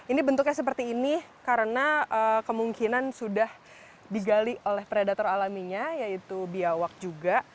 ini bentuknya seperti ini karena kemungkinan sudah digali oleh predator alaminya yaitu biawak juga